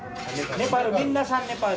みんなネパール。